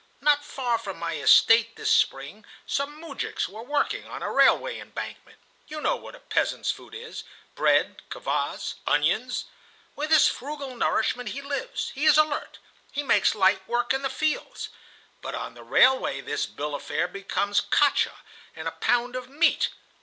Not far from my estate this spring some moujiks were working on a railway embankment. You know what a peasant's food is,—bread, kvass,[*] onions. With this frugal nourishment he lives, he is alert, he makes light work in the fields. But on the railway this bill of fare becomes cacha and a pound of meat.